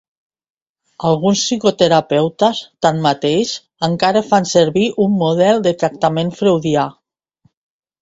Alguns psicoterapeutes, tanmateix, encara fan servir un model de tractament freudià.